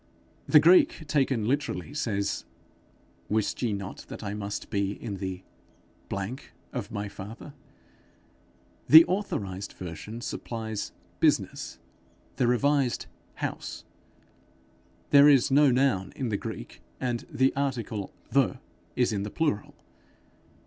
The Greek, taken literally, says, 'Wist ye not that I must be in the of my father?' The authorized version supplies business; the revised, house. There is no noun in the Greek, and the article 'the' is in the plural.